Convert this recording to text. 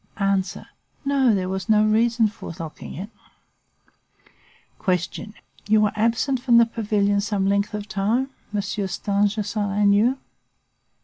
"A. No, there was no reason for locking it. "Q. You were absent from the pavilion some length of time, Monsieur Stangerson and you?